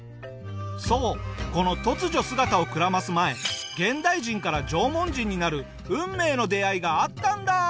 そうこの突如姿をくらます前現代人から縄文人になる運命の出会いがあったんだ！